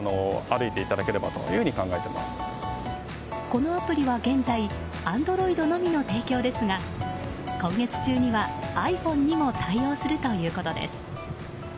このアプリは現在Ａｎｄｒｏｉｄのみの提供ですが今月中にはｉＰｈｏｎｅにも対応するということです。